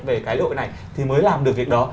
về cái lễ hội này thì mới làm được việc đó